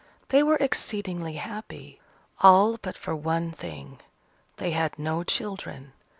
They were exceedingly happy, all but for one thing they had no children.